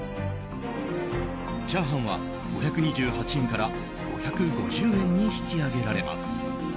チャーハンは５２８円から５５０円に引き上げられます。